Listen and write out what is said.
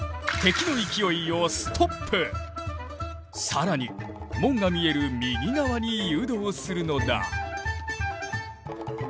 更に門が見える右側に誘導するのだ。